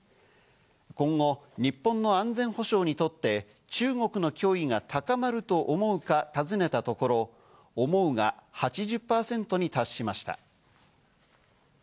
今後、日本の安全保障にとって中国の脅威が高まると思うか尋ねたところ、思うが８０％に達しました。